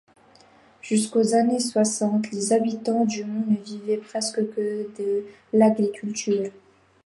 Jusqu'aux années soixante, les habitants du Mont ne vivaient presque que de l’agriculture.